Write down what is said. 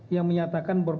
yang menyatakan bahwa